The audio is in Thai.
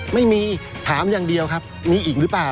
ไม่มีถามอย่างเดียวครับมีอีกหรือเปล่า